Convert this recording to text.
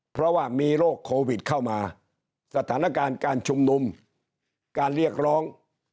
เพราะว่ามีโรคโควิดเข้ามาสถานการณ์การชุมนุมการเรียกร้อง